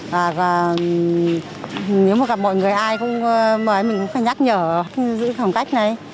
và nếu mà gặp mọi người ai cũng mời mình cũng phải nhắc nhở giữ khoảng cách này